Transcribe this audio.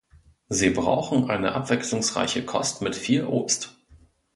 Sie brauchen eine abwechslungsreiche Kost mit viel Obst.